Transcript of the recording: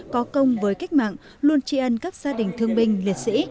có công với cách mạng luôn tri ân các gia đình thương binh liệt sĩ